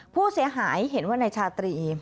ผู้เสียหายเห็นว่านายชาตรี